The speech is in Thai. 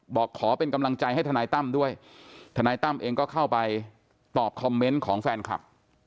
บอกขอเป็นกำลังใจให้ทนายตั้มด้วยทนายตั้มเองก็เข้าไปตอบคอมเมนต์ของแฟนคลับ